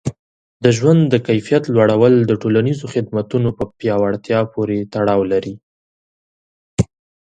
د ژوند د کیفیت لوړول د ټولنیزو خدمتونو په پیاوړتیا پورې تړاو لري.